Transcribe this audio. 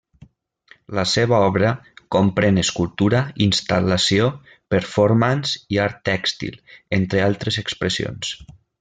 La seva obra comprèn escultura, instal·lació, performance i art tèxtil, entre altres expressions.